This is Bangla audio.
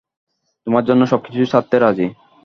তোমার জন্য সবকিছু ছাড়তে রাজি।